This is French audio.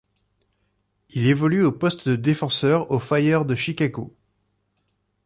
Il évolue au poste de défenseur au Fire de Chicago.